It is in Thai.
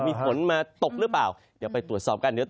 มีฝนมาตกหรือเปล่า